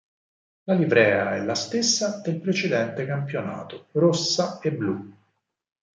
La livrea è la stessa del precedente campionato: rossa e blu.